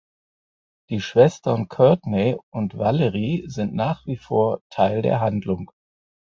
Die Schwestern Courtney und Valerie sind nach wie vor Teil der Handlung.